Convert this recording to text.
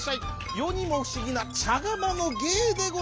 よにもふしぎなちゃがまのげいでござい。